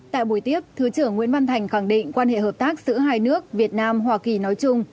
tại buổi tiếp thứ trưởng nguyễn văn thành khẳng định quan hệ hợp tác giữa hai nước việt nam hoa kỳ nói chung